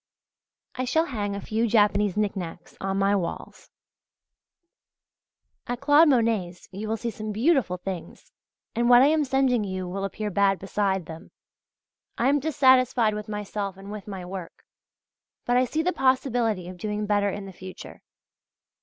I shall hang a few Japanese knick knacks on my walls. At Claude Monet's you will see some beautiful things, and what I am sending you will appear bad beside them. I am dissatisfied with myself and with my work; but I see the possibility of doing better in the future.